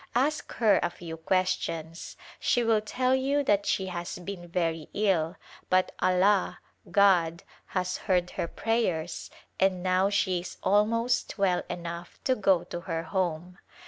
Ask her a few questions. She will tell you that she has been very ill, but Allah (God) has heard her prayers and now she is almost well enough to go to her home.